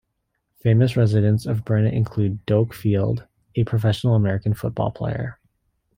Famous residents of Burnet include Doak Field, a professional American football player.